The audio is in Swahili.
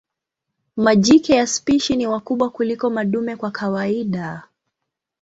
Majike ya spishi ni wakubwa kuliko madume kwa kawaida.